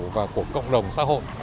và của cộng đồng xã hội